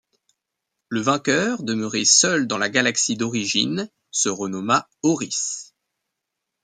Le vainqueur, demeuré seul dans la galaxie d'origine, se renomma Oris.